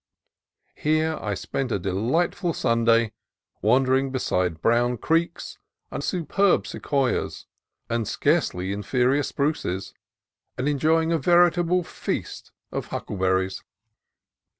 Here I spent a delightful Sunday, wandering be side brown creeks under superb sequoias and scarcely inferior spruces, and enjoying a veritable feast of huckleberries.